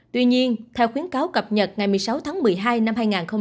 tuy nhiên theo khuyến cáo cập nhật ngày một mươi sáu tháng một mươi hai năm hai nghìn hai mươi